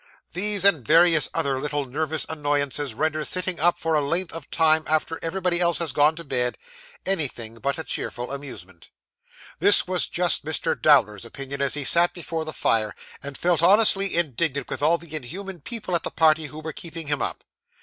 These, and various other little nervous annoyances, render sitting up for a length of time after everybody else has gone to bed, anything but a cheerful amusement. This was just Mr. Dowler's opinion, as he sat before the fire, and felt honestly indignant with all the inhuman people at the party who were keeping him up.